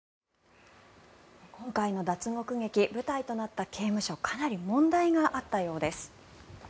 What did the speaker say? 今回の脱獄劇舞台となった刑務所かなり問題があったようです。